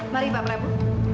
mari pak prabu